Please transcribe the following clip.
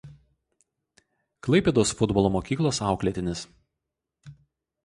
Klaipėdos futbolo mokyklos auklėtinis.